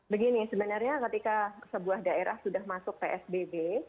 begini sebenarnya ketika sebuah daerah sudah masuk psbb